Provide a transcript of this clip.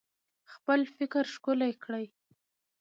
خپل فکر ښکلی کړئ